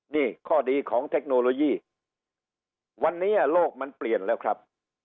นี่ข้อดีของเทคโนโลยีวันนี้โลกมันเปลี่ยนแล้วครับ